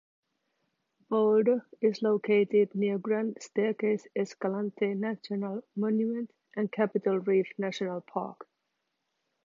Boulder is located near Grand Staircase-Escalante National Monument and Capitol Reef National Park.